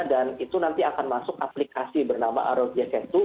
dan itu nanti akan masuk aplikasi bernama arogya ketu